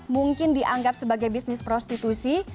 mungkin dianggap sebagai bisnis prostitusi